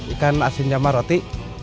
ikan asin jambal roti